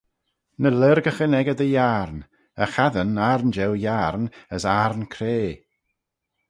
Ny lurgaghyn echey dy yiarn, e chassyn ayrn jeu yiarn, as ayrn cray.